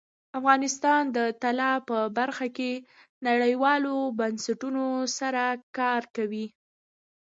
افغانستان د طلا په برخه کې نړیوالو بنسټونو سره کار کوي.